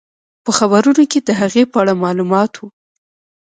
په خبرونو کې د هغې په اړه معلومات وو.